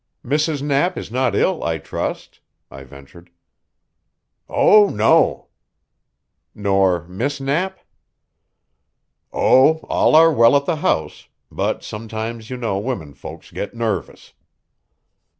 "Mrs. Knapp is not ill, I trust?" I ventured. "Oh, no." "Nor Miss Knapp?" "Oh, all are well at the house, but sometimes you know women folks get nervous."